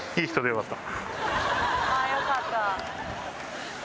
あぁよかった。